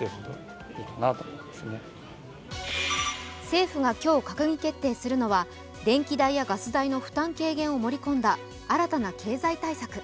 政府が今日閣議決定するのは電気代やガス代の負担軽減を盛り込んだ新たな経済対策。